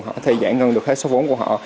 họ có thể giải ngân được hết số vốn của họ